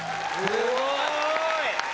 すごい！